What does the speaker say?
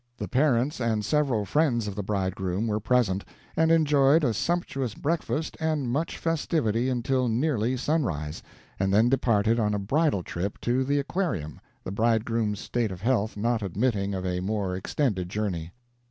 The parents and several friends of the bridegroom were present, and enjoyed a sumptuous breakfast and much festivity until nearly sunrise, and then departed on a bridal trip to the Aquarium, the bridegroom's state of health not admitting of a more extended journey.